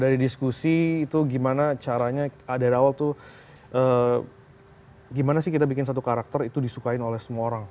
dari diskusi itu gimana caranya dari awal tuh gimana sih kita bikin satu karakter itu disukain oleh semua orang